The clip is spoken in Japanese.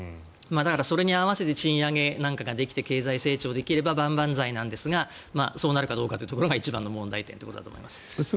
だから、それに合わせて賃上げなんかができて経済成長できれば万々歳なんですがそうなるかどうかというところが一番の問題点だと思います。